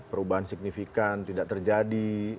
perubahan signifikan tidak terjadi